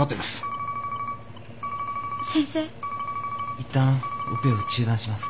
いったんオペを中断します。